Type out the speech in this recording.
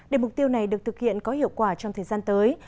để mục tiêu này được thực hiện có hiệu quả trong thời gian tới